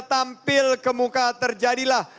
tampil ke muka terjadilah